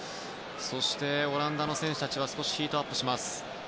そして、オランダの選手たちは少しヒートアップします。